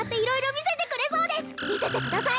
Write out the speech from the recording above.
見せてください